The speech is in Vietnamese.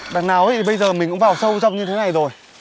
đằng nào thì bây giờ mình cũng vào sâu trong như thế này rồi